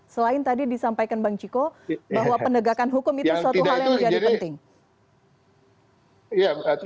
selain tadi disampaikan bang ciko bahwa penegakan hukum itu suatu hal yang menjadi penting